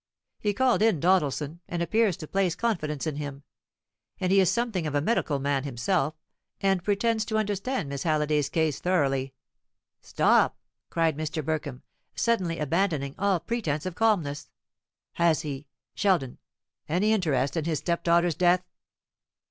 He called in Doddleson, and appears to place confidence in him; and as he is something of a medical man himself, and pretends to understand Miss Halliday's case thoroughly " "Stop!" cried Mr. Burkham, suddenly abandoning all pretence of calmness. "Has he Sheldon any interest in his stepdaughter's death?"